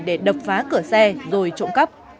để đập phá cửa xe rồi trộm cắp